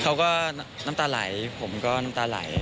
น้ำตาไหลผมก็น้ำตาไหล